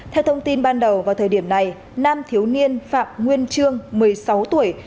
theo thông tin ban đầu vào thời điểm này nam thiếu niên phạm nguyên trương một mươi sáu tuổi